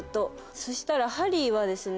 そしたらハリーはですね